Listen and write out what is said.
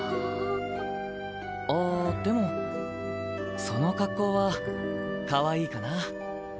ああでもその格好は「かわいい」かな。